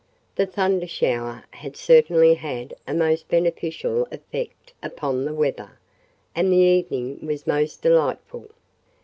The thunder shower had certainly had a most beneficial effect upon the weather, and the evening was most delightful.